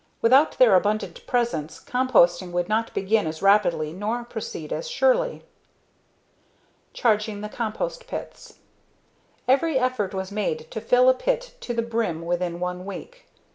Without their abundant presence composting would not begin as rapidly nor proceed as surely. Charging the Compost Pits Every effort was made to fill a pit to the brim within one week.